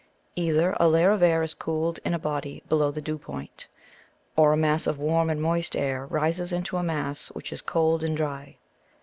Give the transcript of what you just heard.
Either a layer of air is cooled in a body below the dew point; or a mass of warm and moist air rises into a mass which is cold and dry.